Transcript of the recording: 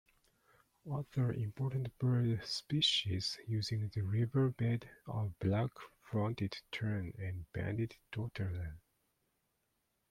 Other important bird species using the riverbed are black-fronted tern and banded dotterel.